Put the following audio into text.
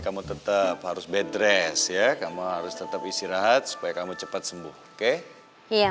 kamu tetap harus beddres ya kamu harus tetap istirahat supaya kamu cepat sembuh oke